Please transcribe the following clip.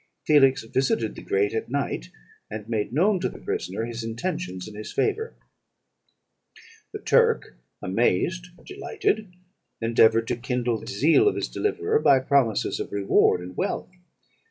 Felix visited the grate at night, and made known to the prisoner his intentions in his favour. The Turk, amazed and delighted, endeavoured to kindle the zeal of his deliverer by promises of reward and wealth.